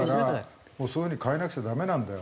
だからそういう風に変えなくちゃダメなんだよ。